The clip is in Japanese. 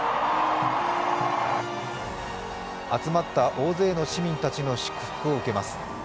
集まった大勢の市民たちの祝福を受けます。